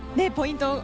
ポイント